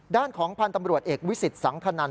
ด้านของพันธ์ตำรวจเอกวิสิตสังคนัน